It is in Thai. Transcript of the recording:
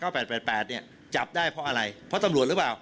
มาเก้า๘๘๘เนี่ยจับได้เพราะอะไรเพราะตำรวจหรือเปล่า